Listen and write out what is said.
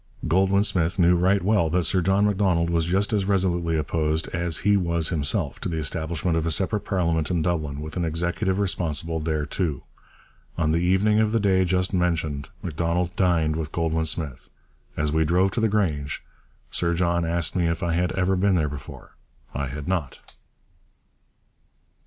' Goldwin Smith knew right well that Sir John Macdonald was just as resolutely opposed as he was himself to the establishment of a separate parliament in Dublin with an executive responsible thereto. On the evening of the day just mentioned Macdonald dined with Goldwin Smith. As we drove to 'The Grange' Sir John asked me if I had ever been there before. I had not.